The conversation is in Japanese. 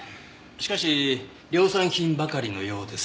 しかし量産品ばかりのようです。